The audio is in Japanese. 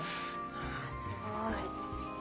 わすごい。